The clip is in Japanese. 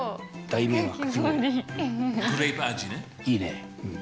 いいね。